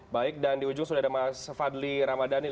baik dan di ujung sudah ada mas fadli ramadhani